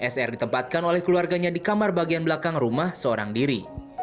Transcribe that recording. sr ditempatkan oleh keluarganya di kamar bagian belakang rumah seorang diri